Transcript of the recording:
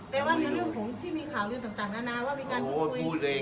ว่าในเรื่องของที่มีข่าวลือต่างนานาว่ามีการพูดคุย